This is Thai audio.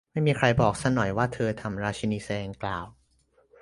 ไม่มีใครบอกซะหน่อยว่าเธอทำ ราชินีแดงกล่าว